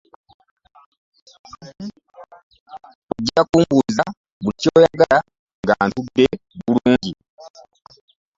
Ojja kumbuuza buli ky'oyagala nga ntudde bulungi.